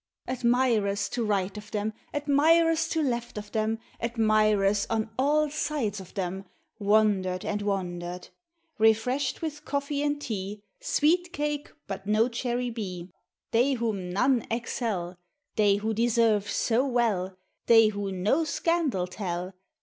Admirers to right of them, Admirers to left of iheni, Admirers on all sides of them, Wonder'd and wonder'd . Refreshed with coffee and tea, .Sweet cake, but no " Cherry li." Tliey whom none excel, They who deserve so well. They who no scandal tell.